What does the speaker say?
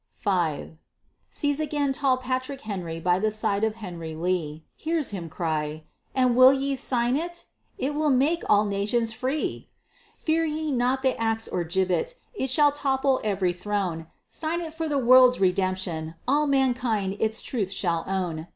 V Sees again tall Patrick Henry by the side of Henry Lee, Hears him cry, "And will ye sign it? it will make all nations free! Fear ye not the axe or gibbet; it shall topple every throne. Sign it for the world's redemption! all mankind its truth shall own!